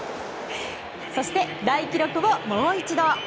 そして、大記録をもう一度。